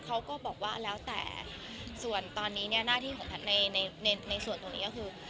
เขาก็บอกว่าแล้วแต่ส่วนตอนนี้เนี่ยหน้าที่ของแพทย์ในในส่วนตรงนี้ก็คือ